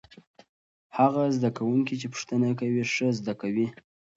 هغه زده کوونکي چې پوښتنه کوي ښه زده کوي.